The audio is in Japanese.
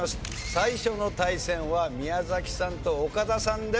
最初の対戦は宮崎さんと岡田さんです。